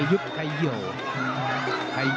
แม่ชึกเห็นผู้แรกโหดชู่นี่โหดตามเลยนะ